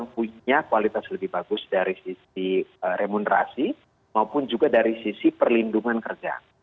punya kualitas lebih bagus dari sisi remunerasi maupun juga dari sisi perlindungan kerja